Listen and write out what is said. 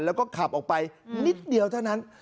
แล้วก็ขับออกไปนิดเดียวเท่านั้น